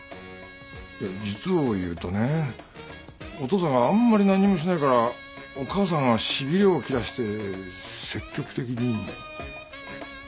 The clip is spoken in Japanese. いや実を言うとねお父さんがあんまり何にもしないからお母さんがしびれを切らして積極的に。